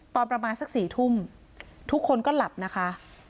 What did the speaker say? ตอนประมาณสัก๔ทุ่มทุกคนก็หลับนะคะ